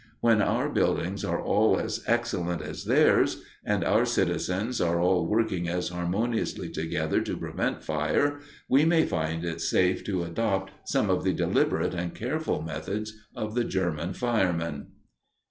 When our buildings are all as excellent as theirs, and our citizens are all working as harmoniously together to prevent fire, we may find it safe to adopt some of the deliberate and careful methods of the German firemen.